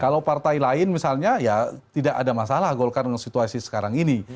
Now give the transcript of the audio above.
kalau partai lain misalnya ya tidak ada masalah golkar dengan situasi sekarang ini